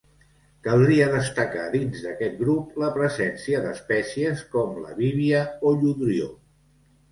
Caldria destacar dins d'aquest grup la presència d'espècies com la bívia o lludrió.